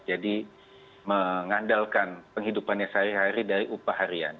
jadi mengandalkan penghidupannya sehari hari dari upah harian